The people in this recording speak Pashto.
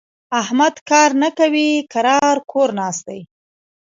احمد کار نه کوي؛ کرار کور ناست دی.